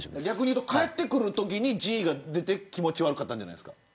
逆に言うと帰ってくるときにＧが出て気持ち悪かったんじゃないですか。